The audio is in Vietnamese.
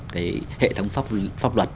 cái hệ thống pháp luật